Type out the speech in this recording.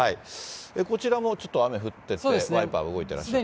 こちらもちょっと雨降ってて、ワイパー動いてます。